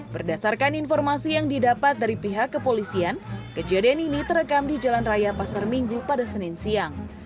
berdasarkan informasi yang didapat dari pihak kepolisian kejadian ini terekam di jalan raya pasar minggu pada senin siang